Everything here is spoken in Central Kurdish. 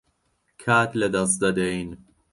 کات لەدەست دەدەین.